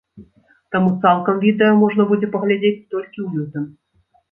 Таму цалкам відэа можна будзе паглядзець толькі ў лютым.